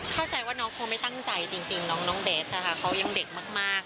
เข้าใจว่าน้องคงไม่ตั้งใจจริงจริงน้องน้องเบสนะคะเขายังเด็กมากมาก